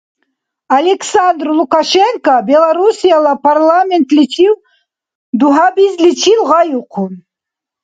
Александр Лукашенко Белоруссияла парламентличив дугьабизличил гъайухъун.